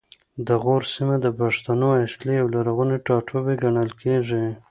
د غور سیمه د پښتنو اصلي او لرغونی ټاټوبی ګڼل کیږي